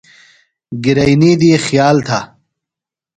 گِرئینی دی خیال تھہ۔